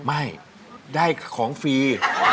ไม่ได้ของฟรี